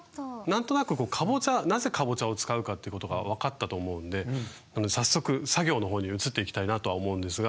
なんとなくなぜカボチャを使うかということが分かったと思うので早速作業の方に移っていきたいなとは思うんですが。